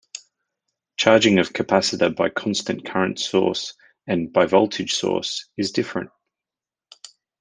Charging of capacitor by constant current source and by voltage source is different.